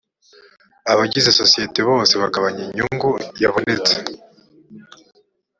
abagize sosiyete bose bagabanye inyungu yabonetse